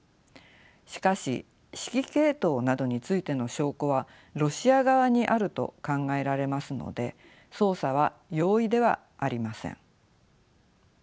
しかし指揮系統などについての証拠はロシア側にあると考えられますので捜査は容易ではありません。